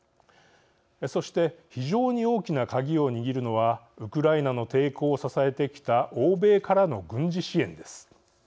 そして非常に大きな鍵を握るのはウクライナの抵抗を支えてきた欧米からの軍事支援です。